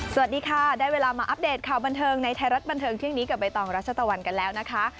สวัสดีค่ะได้เวลามาอัปเดตข่าวบันเทิงในไทยรัฐบันเทิงเที่ยงนี้กับใบตองรัชตะวันกันแล้วนะคะ